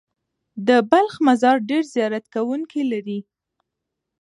د بلخ مزار ډېر زیارت کوونکي لري.